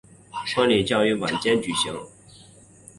婚礼将于晚间举办。